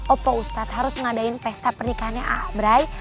opa ustadz harus ngadain pesta pernikahannya abrai